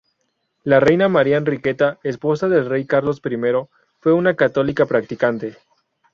La reina María Enriqueta, esposa del rey Carlos I fue una católica practicante.